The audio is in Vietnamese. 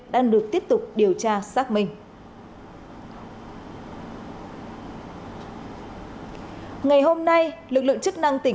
đang được tiếp tục điều tra xác minh ngày hôm nay lực lượng chức năng tỉnh